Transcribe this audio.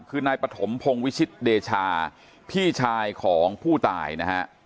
คือนายปฐมพงศ์วิชิตเดชาพี่ชายของผู้ตายนะฮะ